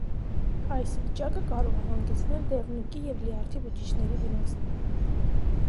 Այս վիճակը կարող է հանգեցնել դեղնուկի և լյարդի բջիջների վնասման։